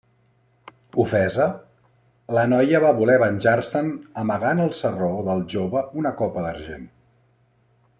Ofesa, la noia va voler venjar-se'n amagant al sarró del jove una copa d'argent.